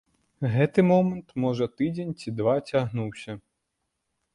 Гэты момант, можа, тыдзень ці два цягнуўся.